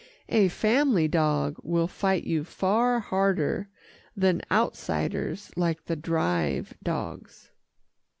A family dog will fight you far harder than outsiders like the Drive dogs."